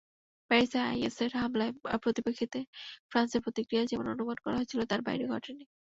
প্যারিসে আইএসের হামলার পরিপ্রেক্ষিতে ফ্রান্সের প্রতিক্রিয়া যেমন অনুমান করা হয়েছিল, তার বাইরে ঘটেনি।